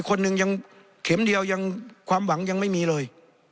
คนหนึ่งยังเข็มเดียวยังความหวังยังไม่มีเลย